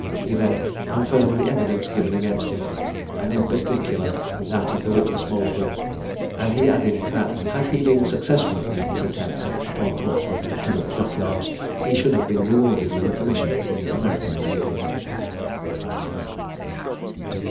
He then confirmed the evidence given against him, and in particular that of the witness Baldwin; and he added, that had he been successful in his attempt upon Portsmouth and Plymouth dock yards, he should have been rewarded with a commission in the American navy.